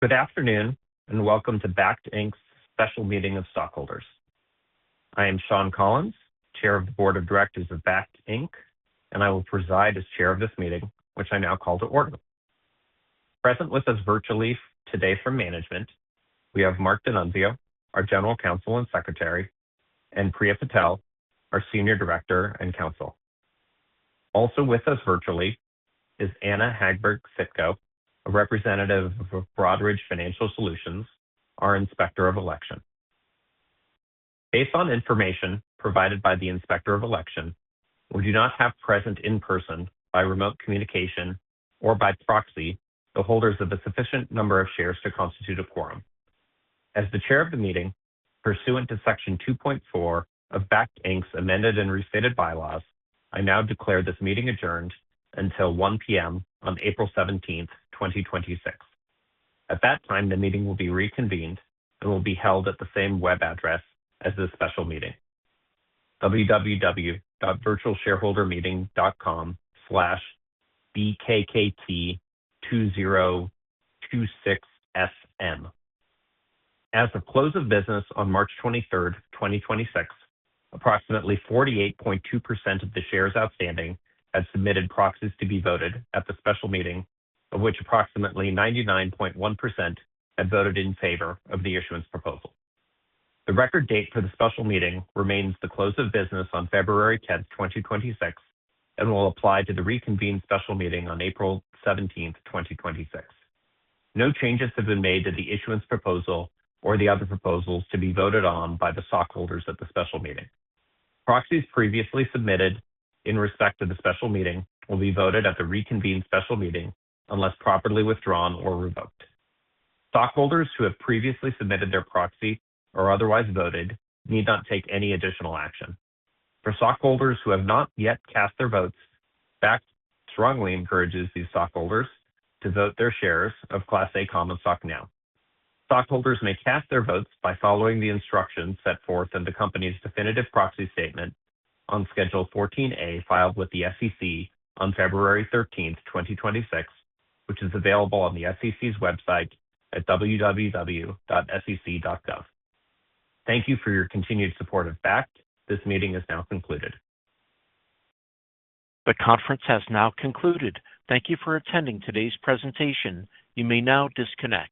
Good afternoon, and welcome to Bakkt, Inc.'s special meeting of stockholders. I am Sean Collins, Chair of the Board of Directors of Bakkt, Inc., and I will preside as Chair of this meeting, which I now call to order. Present with us virtually today from management, we have Marc D'Annunzio, our General Counsel and Secretary, and Priya Patel, our Senior Director and Counsel. Also with us virtually is Anna Hagberg Sitko, a representative of Broadridge Financial Solutions, our Inspector of Election. Based on information provided by the Inspector of Election, we do not have present in person by remote communication or by proxy the holders of a sufficient number of shares to constitute a quorum. As the Chair of the meeting, pursuant to Section 2.4 of Bakkt, Inc.'s Amended and Restated Bylaws, I now declare this meeting adjourned until 1:00 P.M. on April 17, 2026. At that time, the meeting will be reconvened and will be held at the same web address as this special meeting, www.virtualshareholdermeeting.com/BKKT2026SM. As of close of business on March 23rd, 2026, approximately 48.2% of the shares outstanding have submitted proxies to be voted at the special meeting of which approximately 99.1% had voted in favor of the issuance proposal. The record date for the special meeting remains the close of business on February 10th, 2026, and will apply to the reconvened special meeting on April 17th, 2026. No changes have been made to the issuance proposal or the other proposals to be voted on by the stockholders at the special meeting. Proxies previously submitted in respect to the special meeting will be voted at the reconvened special meeting unless properly withdrawn or revoked. Stockholders who have previously submitted their proxy or otherwise voted need not take any additional action. For stockholders who have not yet cast their votes, Bakkt strongly encourages these stockholders to vote their shares of Class A common stock now. Stockholders may cast their votes by following the instructions set forth in the company's definitive proxy statement on Schedule 14A, filed with the SEC on February 13, 2026, which is available on the SEC's website at www.sec.gov. Thank you for your continued support of Bakkt. This meeting is now concluded. The conference has now concluded. Thank you for attending today's presentation. You may now disconnect.